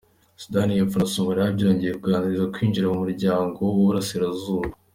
Sudani y’Epfo na Somalia byongeye kwangirwa kwinjira mumuryango wuburasira zuba